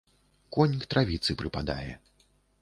Конь к травіцы прыпадае.